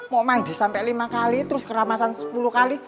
mau mandi sampai lima kali terus keramasan sepuluh kali